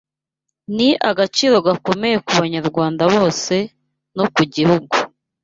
Ni agaciro gakomeye ku Banyarwanda bose no ku gihugu”